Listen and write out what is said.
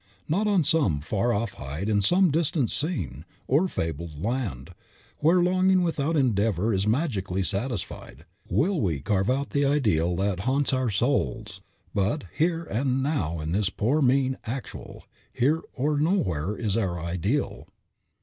Not on some far off height, in some distant scene, or fabled land, where longing without endeavor is magically satisfied, will we carve out the ideal that haunts our souls, but "here and now in this poor, mean Actual, here or nowhere is our ideal!"